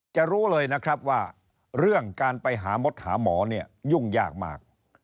จะรู้เลยนะครับว่าเรื่องการไปหามดหาหมอเนี่ยยุ่งยากมาก